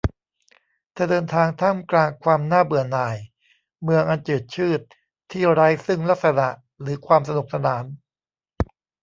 เธอเดินทางท่ามกลางความน่าเบื่อหน่าย เมืองอันจืดชืดที่ไร้ซึ่งลักษณะหรือความสนุกสนาน